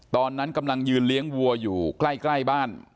ตอนนั้นกำลังยืนเลี้ยงวัวอยู่ใกล้บ้าน